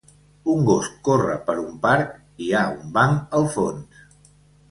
Un gos corre per un parc, hi ha un banc al fons.